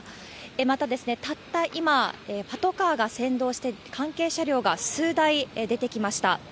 また、たった今、パトカーが先導して、関係車両が数台出てきました。